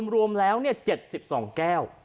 รวมแล้ว๗๒แก้ว